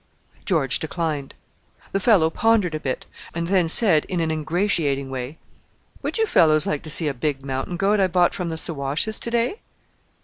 George declined. The fellow pondered a bit, and then said in an ingratiating way, "Would you fellows like to see a big mountain goat I bought from the Siwashes to day?"